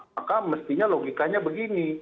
maka mestinya logikanya begini